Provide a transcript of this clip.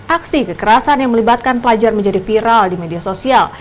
aksi kekerasan yang melibatkan pelajar menjadi viral di media sosial